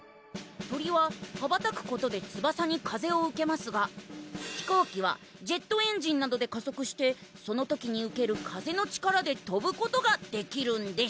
鳥は羽ばたくことで翼に風を受けますが飛行機はジェットエンジンなどで加速してその時に受ける風の力でとぶことができるんです！